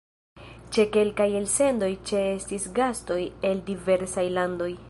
Ĉe kelkaj elsendoj ĉeestis gastoj el diversaj landoj.